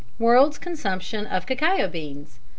WORLD'S CONSUMPTION OF CACAO BEANS.